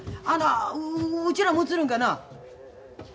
あのうちらも写るんかな？